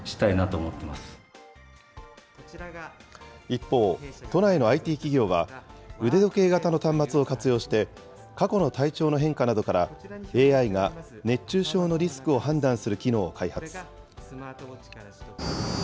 一方、都内のＩＴ企業は、腕時計型の端末を活用して、過去の体調の変化などから、ＡＩが熱中症のリスクを判断する機能を開発。